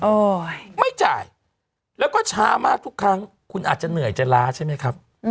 ไม่จ่ายแล้วก็ช้ามากทุกครั้งคุณอาจจะเหนื่อยจะล้าใช่ไหมครับ